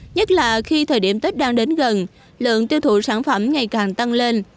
nhất là khi thời điểm tết đang đến gần lượng tiêu thụ sản phẩm ngày càng tăng lên